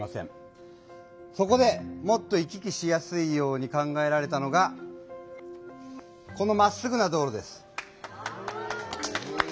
そこでもっと行き来しやすいように考えられたのがこのまっすぐな道路です。